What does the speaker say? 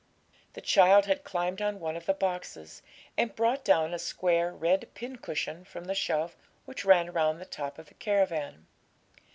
The child had climbed on one of the boxes, and brought down a square red pincushion from the shelf which ran round the top of the caravan.